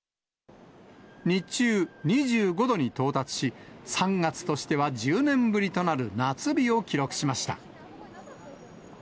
日中、２５度に到達し、３月としては１０年ぶりとなる夏日を記録しました。